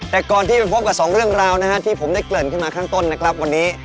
แต่ก่อนที่ไปพบกับสองเรื่องราวนะฮะที่ผมได้เกริ่นขึ้นมาข้างต้นนะครับวันนี้